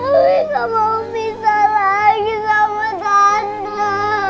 ami gak mau pisah lagi sama tanda